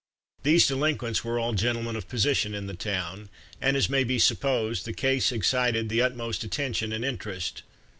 These delinquents were all gentlemen of position in the town, and, as may be supposed, the case excited the utmost attention and interest.